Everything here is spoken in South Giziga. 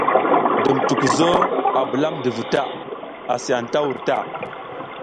Dum tukuzo a bulamdi vu ta asi a anta wur.